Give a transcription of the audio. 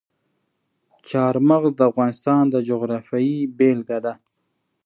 چار مغز د افغانستان د جغرافیې بېلګه ده.